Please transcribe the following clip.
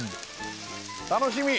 楽しみ！